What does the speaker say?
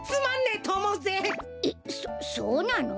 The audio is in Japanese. えっそそうなの？